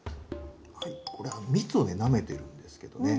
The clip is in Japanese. これ蜜をなめてるんですけどね。